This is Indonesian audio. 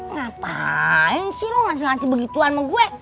ngapain sih lu ngasih ngasih begituan sama gue